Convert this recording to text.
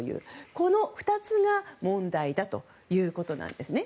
この２つが問題だということなんですね。